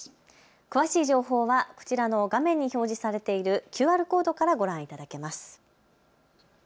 詳しい情報はこちらの画面に表示されているＱＲコードからご覧いただけます。